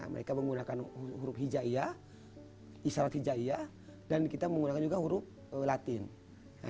mereka menggunakan huruf hijaya isyarat hijaya dan kita menggunakan juga huruf latin